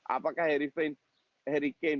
apakah harry kane